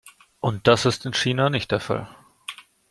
Und das ist in China nicht der Fall.